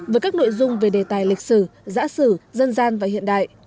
với các nội dung về đề tài lịch sử giã sử dân gian và hiện đại